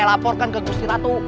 saya laporkan ke gusti ratu